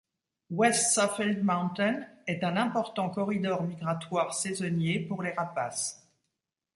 West Suffield Mountain est un important corridor migratoire saisonnier pour les rapaces.